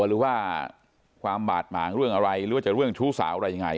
หรือว่าความบาดหมางเรื่องอะไรหรือว่าจะเรื่องชู้สาวอะไรยังไง